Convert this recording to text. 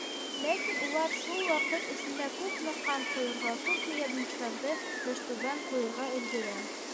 Ләкин улар шул ваҡыт эсендә күпме ҡан ҡойорға, күпме яҙмыштарҙы баштүбән ҡуйырға өлгөрә.